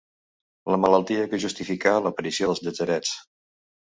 La malaltia que justificà l'aparició dels llatzerets.